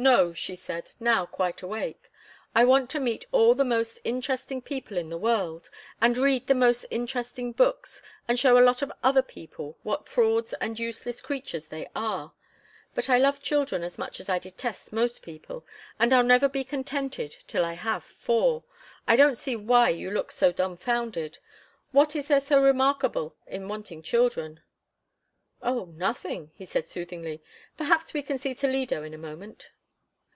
"No," she said, now quite awake. "I want to meet all the most interesting people in the world, and read the most interesting books, and show a lot of other people what frauds and useless creatures they are; but I love children as much as I detest most people, and I'll never be contented till I have four. I don't see why you look so dumfounded! What is there so remarkable in wanting children?" "Oh, nothing," he said, soothingly. "Perhaps we can see Toledo in a moment."